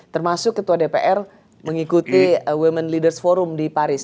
termasuk ketua dpr mengikuti women leaders forum di paris